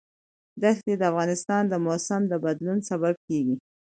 دښتې د افغانستان د موسم د بدلون سبب کېږي.